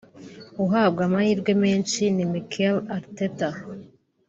uhabwa amahirwe menshi ni Mikel Arteta